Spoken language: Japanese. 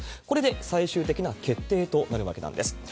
これで最終的な決定となるわけなんです。